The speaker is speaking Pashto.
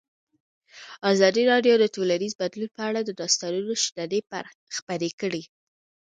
ازادي راډیو د ټولنیز بدلون په اړه د استادانو شننې خپرې کړي.